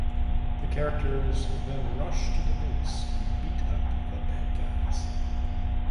The characters then rush to the base and beat up the bad guys.